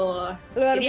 luar biasa ya